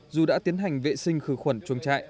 dù đã tiến hành vệ sinh khử khuẩn chuồng trại